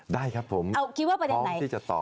ได้ครับผมพร้อมที่จะตอบคิดว่าประเด็นไหน